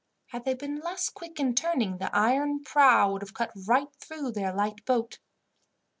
Had they been less quick in turning, the iron prow would have cut right through their light boat.